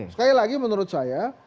sekali lagi menurut saya